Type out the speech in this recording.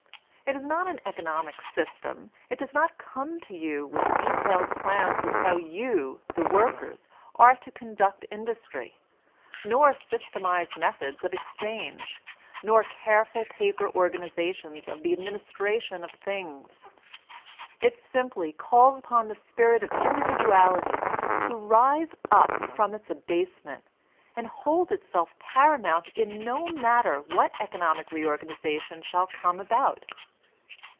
Jt is not an economic system ; it does not come to jrou with detailed plan$ Qf h^w you, the workers, are Anarchism ioi to conduct industry; nor systemized methods of ex change; nor careful paper organizations of ''the admin istration of things." It simply calls upon the spirit of individuality to rise up from its abasement^ and hold itself paramount in no matter what economic reorgan ization shall come about.